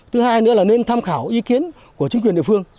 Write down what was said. thứ hai nữa là nên tham khảo ý kiến của chính quyền địa phương